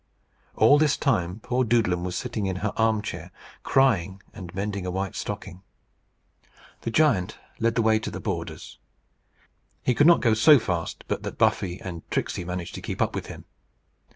All this time poor Doodlem was sitting in her arm chair, crying, and mending a white stocking. The giant led the way to the borders. He could not go so fast but that Buffy and Tricksey managed to keep up with him.